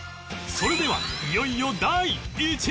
それではいよいよ第１位